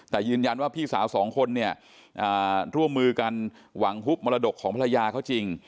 แต่ยืนยันว่าพี่สาวสองคนเนี่ยร่วมมือกันหวังฮุบมรดกของภรรยาเขาจริง